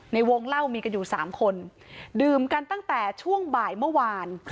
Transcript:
ในวงเล่ามีกันอยู่สามคนดื่มกันตั้งแต่ช่วงบ่ายเมื่อวาน